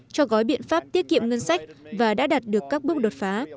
cho gói biện pháp tiết kiệm ngân sách và đã đạt được các bước đột phá